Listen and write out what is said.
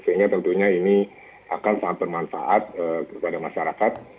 sehingga tentunya ini akan sangat bermanfaat kepada masyarakat